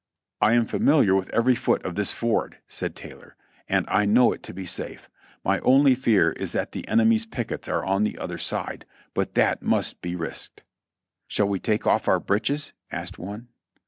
"I am familiar with every foot of this ford," said Taylor, "and 1 know it to be safe. My only fear is that the enemy's pickets are on the other side, but that must be risked," "Shall we take ofif our breeches?" asked one.